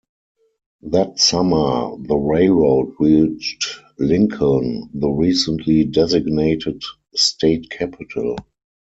That summer, the railroad reached Lincoln, the recently designated state capital.